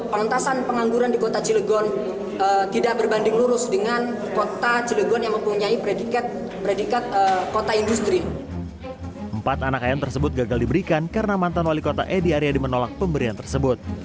pimpin kota cilegon gagal diberikan karena mantan wali kota edi ariadi menolak pemberian tersebut